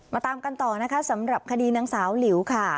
มาตามกันต่อสำหรับคดีหนึ่งสาวหลิวค่ะ